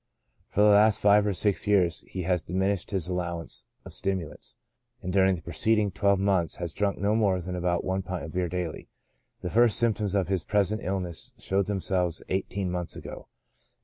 For the last five or six years he has diminished his allowance of stimulants, and during the preceding twelve months has drunk no more than about one pint of beer daily. The first symptoms of his present illness showed themselves eighteen months ago.